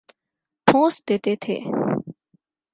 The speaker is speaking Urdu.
ﭨﮭﻮﻧﺲ ﺩﯾﺘﮯ ﺗﮭﮯ